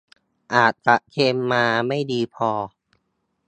อาจจะเทรนมาไม่ดีพอ